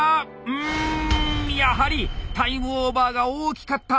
うんやはりタイムオーバーが大きかった！